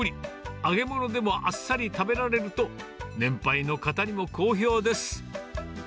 揚げ物でもあっさり食べられると、年配の方にも好評です。